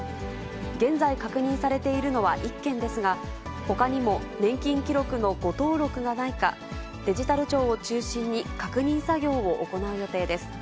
現在確認されているのは１件ですが、ほかにも年金記録の誤登録がないか、デジタル庁を中心に確認作業を行う予定です。